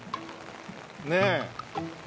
ねえ。